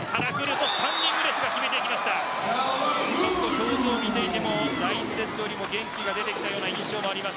表情を見ていても第１セットよりも元気が出てきた印象があります